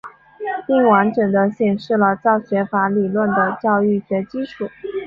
并完整地显示了教学法理论的教育学基础。